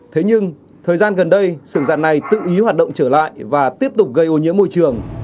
thế nhưng thời gian gần đây sưởng dạn này tự ý hoạt động trở lại và tiếp tục gây ô nhiễm môi trường